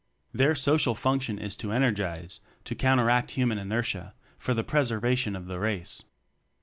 Their social function is to energize to counteract human inertia for the preservation of the Race.